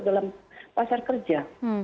dalam pasar kerja